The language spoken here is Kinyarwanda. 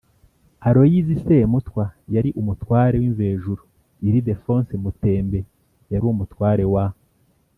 Aloyizi Semutwa yari Umutware w'Imvejuru; Ildefonsi Mutembe yari Umutware wa